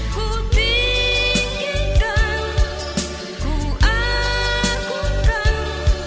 ku tinggikan ku akukan